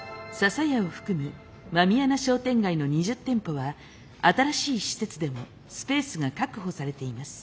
笹屋を含む狸穴商店街の２０店舗は新しい施設でもスペースが確保されています。